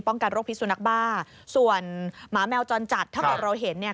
กันโรคพิษสุนักบ้าส่วนหมาแมวจรจัดถ้าเกิดเราเห็นเนี่ย